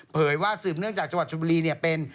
ว่าสืบเนื่องจากจังหวัดชนบุรีเป็น